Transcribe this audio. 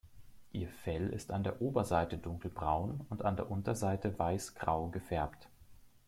Ihr Fell ist an der Oberseite dunkelbraun und an der Unterseite weißgrau gefärbt.